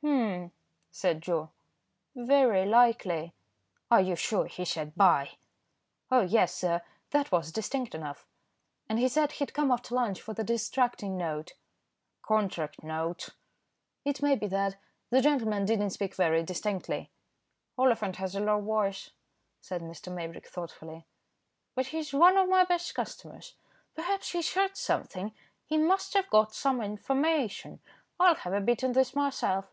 "Humph," said Joe, "very likely." "Are you sure he said 'buy?'" "Oh! yes, sir, that was distinct enough, and he said he'd come after lunch for the distracting note." "Contract note." "It may be that. The gentleman did not speak very distinctly." "Oliphant has a low voice," said Mr. Maybrick, thoughtfully, "but he's one of my best customers. Perhaps he's heard something; he must have got some information. I'll have a bit in this myself.